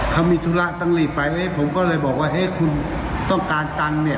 เขามีธุระต้องรีบไปผมก็เลยบอกว่าเอ๊ะคุณต้องการตังค์เนี่ย